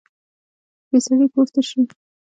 بې سړي کور تش وي